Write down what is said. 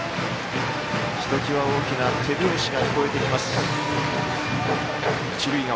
ひときわ大きな手拍子が聞こえてきます、一塁側。